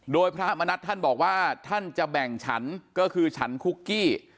โดยพระมณัฐท่านบอกว่าท่านจะแบ่งฉันก็คือฉันคุกกี้